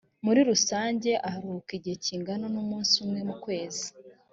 muri rusange aruhuka igihe kingana n’ umunsi umwe mu kwezi